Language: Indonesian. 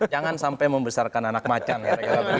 jangan sampai membesarkan anak macan